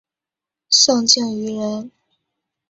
宋敬舆人。